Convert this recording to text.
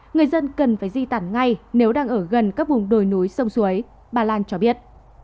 người dân cần phải di tản ngay nếu đang ở gần các vùng đồi núi sông suối bà lan cho biết